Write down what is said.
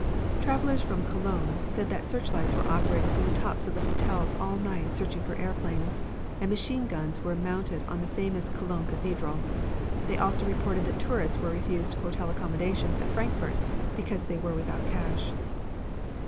Travelers from Cologne said that searchlights were operated from the tops of the hotels all night searching for airplanes, and machine guns were mounted on the famous Cologne Cathedral. They also reported that tourists were refused hotel accommodations at Frankfort because they were without cash.